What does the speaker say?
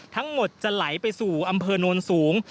ทั้งหมดจะไหลไปสู่อำเภอโนนสูง